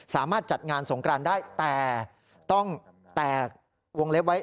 สามารถจัดงานสงกรานได้แต่ต้องแตกวงเล็บไว้